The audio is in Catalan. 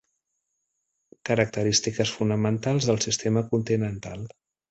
Característiques fonamentals del sistema continental.